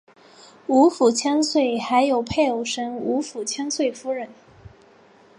吴府千岁还有配偶神吴府千岁夫人。